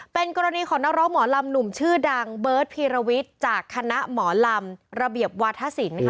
เป็นกรณีของนักร้องหมอลำหนุ่มชื่อดังเบิร์ตพีรวิทย์จากคณะหมอลำระเบียบวาธศิลป์ค่ะ